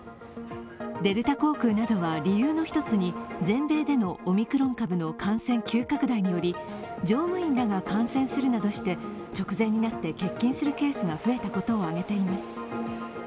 デルタ航空などは理由の１つに全米でのオミクロン株の感染急拡大により乗務員らが感染するなどして直前になって欠勤するケースが増えたことなどを挙げています。